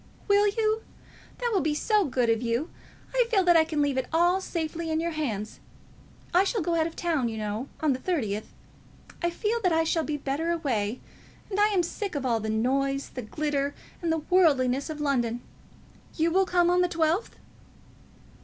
"Will you? That will be so good of you. I feel that I can leave it all so safely in your hands. I shall go out of town, you know, on the thirtieth. I feel that I shall be better away, and I am sick of all the noise, and glitter, and worldliness of London. You will come on the twelfth?"